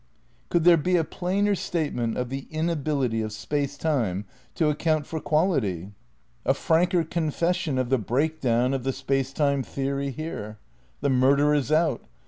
Could there be a plainer statement of the inability of Space Time to account for quality? A franker con fession of the break down of the Space Time theory here? The murder is out.